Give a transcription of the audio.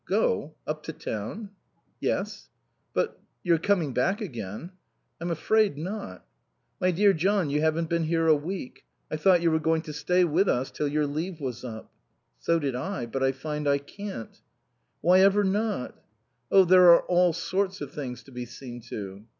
"Go? Up to town?" "Yes." "But you're coming back again." "I'm afraid not." "My dear John, you haven't been here a week. I thought you were going to stay with us till your leave was up." "So did I. But I find I can't." "Whyever not?" "Oh there are all sorts of things to be seen to."